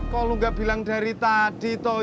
kok lo nggak bilang dari tadi toh